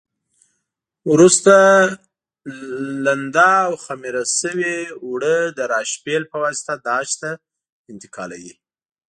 وروسته لمد او خمېره شوي اوړه د راشپېل په واسطه داش ته انتقالوي.